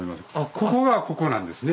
ここがここなんですね。